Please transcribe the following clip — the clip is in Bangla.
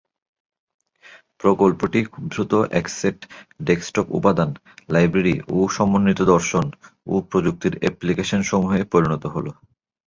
প্রকল্পটি খুব দ্রুত এক সেট ডেস্কটপ উপাদান, লাইব্রেরি ও সমন্বিত দর্শন ও প্রযুক্তির অ্যাপলিকেশন সমূহে পরিণত হলো।